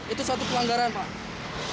itu satu kelanggaran pak